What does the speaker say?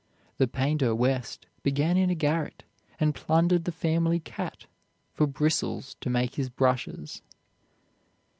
The painter West began in a garret, and plundered the family cat for bristles to make his brushes.